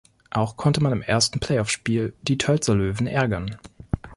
Auch konnte man im ersten Playoffspiel die Tölzer Löwen ärgern.